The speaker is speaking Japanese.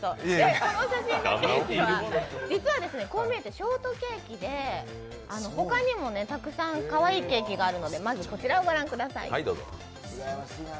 この写真のケーキは実はこう見えてショートケーキでほかにもたくさんかわいいケーキがあるのでまずこちらをご覧ください。